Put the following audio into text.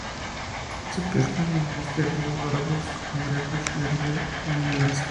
Se pescan en este río barbos, cangrejos de río y anguilas.